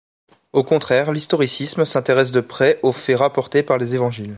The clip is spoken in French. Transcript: Au contraire, l'historicisme s'intéresse de près aux faits rapportés par les évangiles.